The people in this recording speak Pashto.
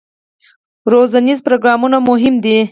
روزنیز پروګرامونه مهم دي